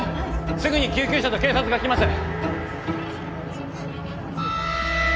すぐに救急車と警察が来ます。